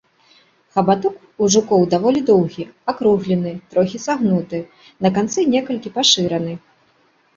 Хабаток ў жукоў даволі доўгі, акруглены, трохі сагнуты, на канцы некалькі пашыраны.